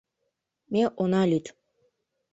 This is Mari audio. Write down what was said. Ме она лӱд.